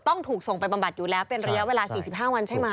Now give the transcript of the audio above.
ต้องถูกส่งไปบำบัดอยู่แล้วเป็นระยะเวลา๔๕วันใช่ไหม